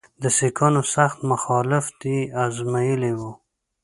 د سیکهانو سخت مخالفت یې آزمېیلی وو.